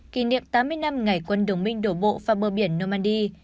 kỷ niệm tám mươi năm ngày quân đồng minh đổ bộ vào bờ biển normandy